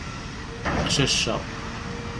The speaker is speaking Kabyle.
A cacca!